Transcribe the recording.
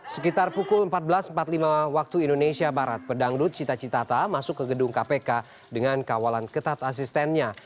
sekitar pukul empat belas empat puluh lima waktu indonesia barat pedangdut cita citata masuk ke gedung kpk dengan kawalan ketat asistennya